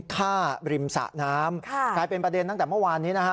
ฆ่าริมสะน้ำกลายเป็นประเด็นตั้งแต่เมื่อวานนี้นะฮะ